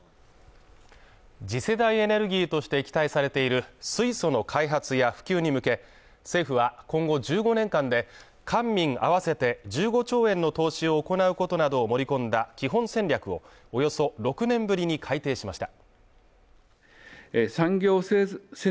次世代エネルギーとして期待されている水素の開発や普及に向け、政府は今後１５年間で官民合わせて１５兆円の投資を行うことなどを盛り込んだ基本戦略をおよそ６年ぶりに改定しました。